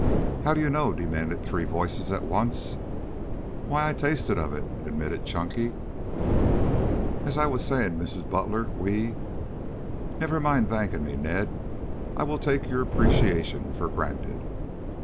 "How do you know?" demanded three voices at once. "Why, I tasted of it," admitted Chunky. "As I was saying, Mrs. Butler, we " "Never mind thanking me, Ned. I will take your appreciation for granted."